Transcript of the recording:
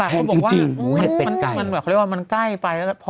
มันแพงทุกอย่างมันแพงจริง